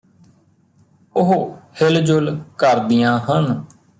ਉਹ ਹਿਲਜੁਲ ਕਰਦੀਆਂ ਹਨ